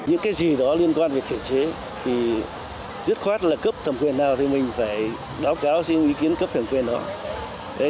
những cái gì đó liên quan về thể chế thì rất khoát là cấp thầm quyền nào thì mình phải đáo cáo xin ý kiến cấp thầm quyền đó